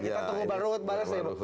kita tunggu baruud balas ya